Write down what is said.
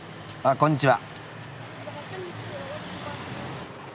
こんにちは。